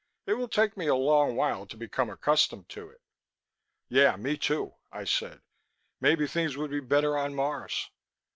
"It will take me a long while to become accustomed to it." "Yeah, me, too," I said. "Maybe things would be better on Mars."